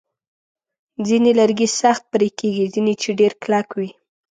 ځینې لرګي سخت پرې کېږي، ځکه چې ډیر کلک وي.